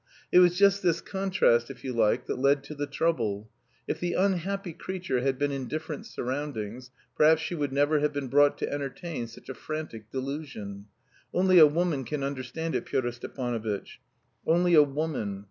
It was just this contrast, if you like, that led to the trouble. If the unhappy creature had been in different surroundings, perhaps she would never have been brought to entertain such a frantic delusion. Only a woman can understand it, Pyotr Stepanovitch, only a woman.